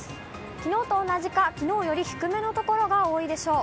きのうと同じかきのうより低めの所が多いでしょう。